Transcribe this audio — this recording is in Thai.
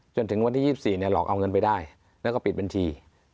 จนถึงวันที่๒๔หลอกเอาเงินไปได้แล้วก็ปิดบัญชี